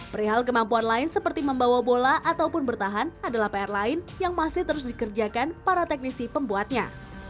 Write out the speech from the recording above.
perihal kemampuan lain seperti membawa bola ataupun bertahan adalah pr lain yang masih terus dikerjakan para teknisi pembuatnya